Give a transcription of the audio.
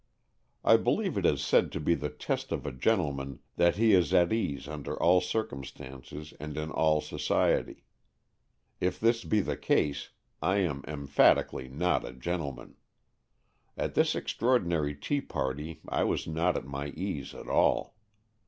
I believe it is said to be the test of a gentleman that he is at ease under all circum stances and in all society. If this be the case, I am emphatically not a gentleman. At this extraordinary tea party I was not at my ease at all.